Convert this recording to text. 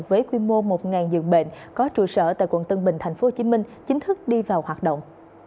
với quy mô một giường bệnh có trụ sở tại quận tân bình tp hcm chính thức đi vào hoạt động